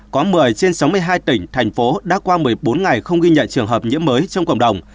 có một mươi trên sáu mươi hai tỉnh thành phố đã qua một mươi bốn ngày không ghi nhận trường hợp nhiễm mới trong cộng đồng